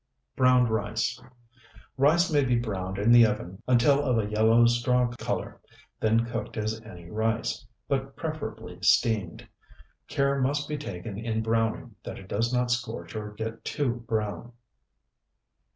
BROWNED RICE Rice may be browned in the oven until of a yellow straw color, then cooked as any rice, but preferably steamed. Care must be taken in browning that it does not scorch or get too brown.